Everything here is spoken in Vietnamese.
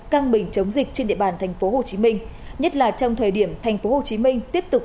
căng bình chống dịch trên địa bàn tp hcm nhất là trong thời điểm tp hcm tiếp tục